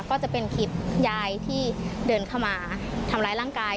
ก็จะเป็นคลิปยายที่เดินเข้ามาทำร้ายร่างกาย